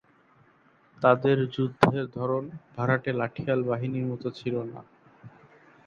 তাদের যুদ্ধের ধরন ভাড়াটে লাঠিয়াল বাহিনীর মত ছিল না।